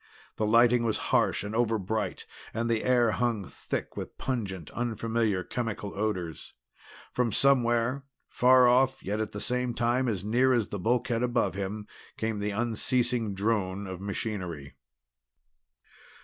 The lighting was harsh and overbright and the air hung thick with pungent unfamiliar chemical odors. From somewhere, far off yet at the same time as near as the bulkhead above him, came the unceasing drone of machinery.